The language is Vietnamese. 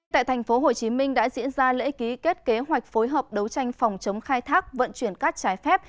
tại tp hcm đã diễn ra lễ ký kết kế hoạch phối hợp đấu tranh phòng chống khai thác vận chuyển cát trái phép